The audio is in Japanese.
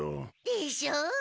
でしょう？